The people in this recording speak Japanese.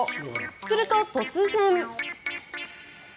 すると、突然。